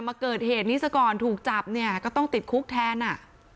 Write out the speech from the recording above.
มาเกิดเหตุนี้ซะก่อนถูกจับเนี่ยก็ต้องติดคุกแทนอ่ะ